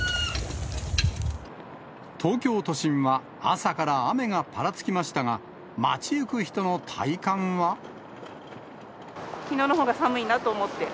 東京都心は朝から雨がぱらつきましたが、きのうのほうが寒いなと思って。